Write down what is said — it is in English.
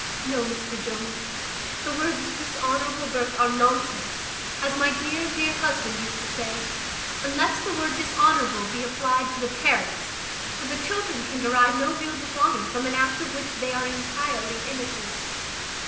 No, Mr Jones, the words `dishonourable birth' are nonsense, as my dear, dear husband used to say, unless the word `dishonourable' be applied to the parents; for the children can derive no real dishonour from an act of which they are intirely innocent."